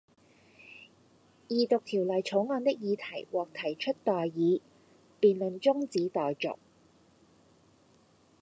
二讀條例草案的議題獲提出待議，辯論中止待續